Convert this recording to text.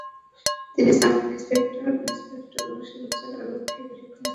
তিনি sub inspector, inspector ও শিলচর আরক্ষী প্রশিক্ষন কেন্দ্রের অধ্যক্ষ ছিলেন।